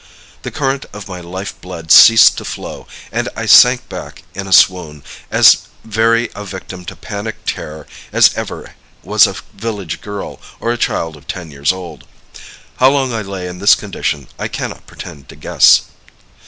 The current of my life blood ceased to flow, and I sank back in a swoon, as very a victim to panic terror as ever was a village girl, or a child of ten years old. How long I lay in this condition I cannot pretend to guess.